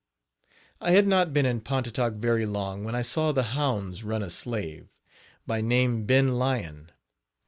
I had not been at Pontotoc very long when I saw the hounds run a slave, by name Ben Lyon.